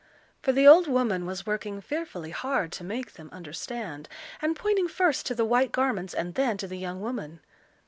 For, the old woman was working fearfully hard to make them understand, and pointing first to the white garments and then to the young woman.